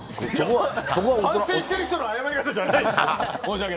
反省している人の謝り方じゃないですよ。